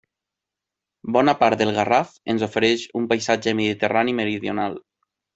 Bona part del Garraf ens ofereix un paisatge mediterrani meridional.